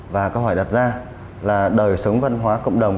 và câu hỏi đặt ra là đời sống văn hóa cộng đồng